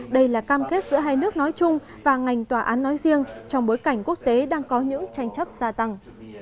đây là cam kết giữa hai nước nói chung và ngành tòa án nói riêng trong bối cảnh quốc tế đang có những tranh chấp gia tăng